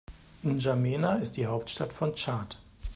N’Djamena ist die Hauptstadt von Tschad.